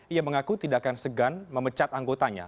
ia mengaku tidak akan segan memecat anggotanya